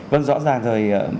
vâng rõ ràng rồi